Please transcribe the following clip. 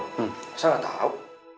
saya nggak tau